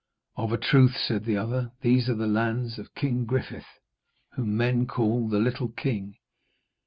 'Of a truth,' said the other, 'these are the lands of King Griffith, whom men call the Little King.